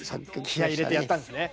気合い入れてやったんですね。